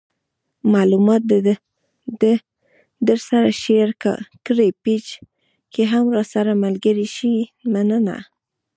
معلومات د درسره شیر کړئ پیج کې هم راسره ملګري شئ مننه